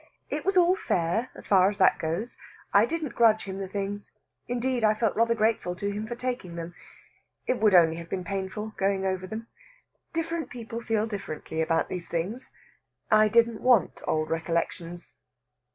It was all fair, as far as that goes. I didn't grudge him the things indeed, I felt rather grateful to him for taking them. It would only have been painful, going over them. Different people feel differently about these things. I didn't want old recollections."